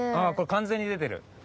ああこれ完全に出てる。